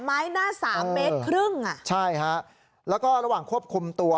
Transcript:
ไม้หน้าสามเมตรครึ่งอ่ะใช่ฮะแล้วก็ระหว่างควบคุมตัว